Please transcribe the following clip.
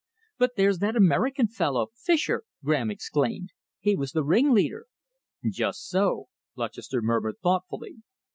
"But there's that American fellow Fischer!" Graham exclaimed. "He was the ringleader!" "Just so," Lutchester murmured thoughtfully.